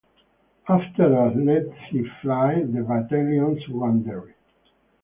After a lengthy fight the battalion surrendered.